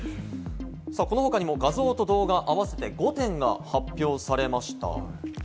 この他にも画像と動画、合わせて５点が発表されました。